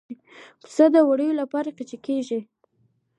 پسه د وړیو لپاره قیچي کېږي.